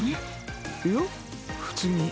普通に。